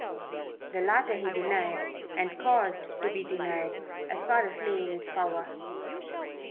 The latter he denied and caused to be denied, as far as lay in his power.